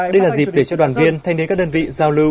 đây là dịp để cho đoàn viên thanh niên các đơn vị giao lưu